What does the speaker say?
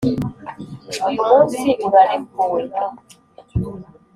uyu munsi urarekuwe?